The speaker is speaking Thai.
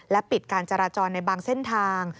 ปิดการจราจรในบางเส้นทาง